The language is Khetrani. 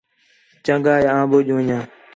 چنڳا ہے آں بَھڄ ون٘ڄاں